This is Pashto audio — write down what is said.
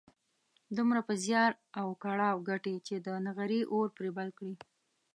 دومره په زيار او کړاو ګټي چې د نغري اور پرې بل کړي.